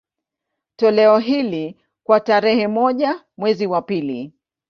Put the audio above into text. Toleo hili, kwa tarehe moja mwezi wa pili